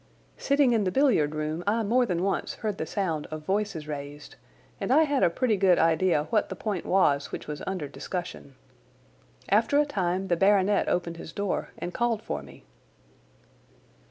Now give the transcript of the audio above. Sitting in the billiard room I more than once heard the sound of voices raised, and I had a pretty good idea what the point was which was under discussion. After a time the baronet opened his door and called for me.